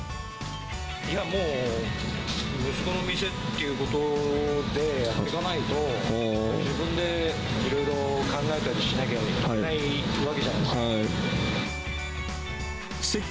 いやもう、息子の店っていうことでやってかないと、自分でいろいろ考えたりしなきゃいけないわけじゃないですか。